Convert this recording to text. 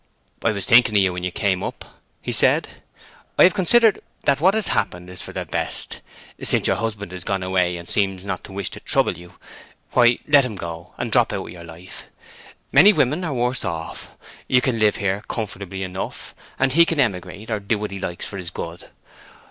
"I was thinking of you when you came up," he said. "I have considered that what has happened is for the best. Since your husband is gone away, and seems not to wish to trouble you, why, let him go, and drop out of your life. Many women are worse off. You can live here comfortably enough, and he can emigrate, or do what he likes for his good.